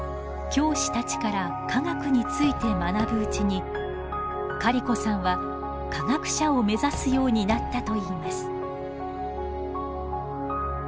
教師たちから科学について学ぶうちにカリコさんは科学者を目指すようになったといいます。